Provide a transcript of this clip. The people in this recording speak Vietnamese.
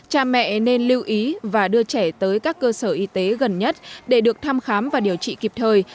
cha mẹ nên lưu ý và đưa trẻ tới các cơ sở y tế gần nhất để được thăm khám và điều trị kịp thời